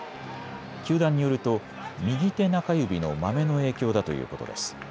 球団によると右手中指のまめの影響だということです。